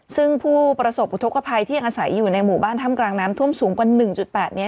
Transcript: ซึ่งผู้ประสบอุทธกภัยที่ยังอาศัยอยู่ในหมู่บ้านถ้ำกลางน้ำท่วมสูงกว่า๑๘เมตร